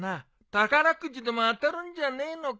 宝くじでも当たるんじゃねえのか？